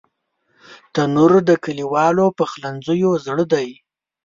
تنور د کلیوالو پخلنځیو زړه دی